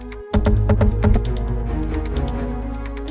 sekarang lagi madan saya janji saya gak bawa dia keluar